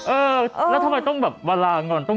เออแล้วทำไมต้องแบบเวลางอนต้อง